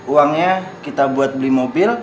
uangnya kita buat beli mobil